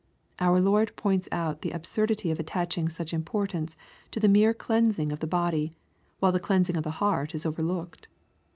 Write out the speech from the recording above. Our Lord points out the absurdity of attaching such importance to the mere cleansing of the body, while the cleansing of the heart is overlooked.